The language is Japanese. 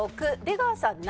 ６出川さん